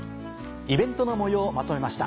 イベントの模様をまとめました